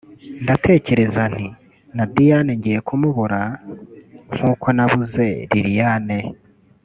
ndatekereza nti na Diane ngiye kumubura nk’uko nabuze Liliane